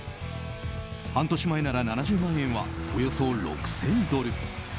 半年前なら７０万円はおよそ６０００ドル。